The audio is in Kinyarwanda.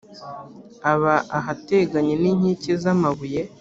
aba ahateganye ninkike z’ amabuye .